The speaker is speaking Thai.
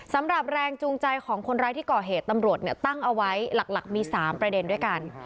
สำหรับแรงจูงใจของคนร้ายที่ก่อเหตุตำรวจตั้งเอาไว้หลักมี๓ประเด็นด้วยกัน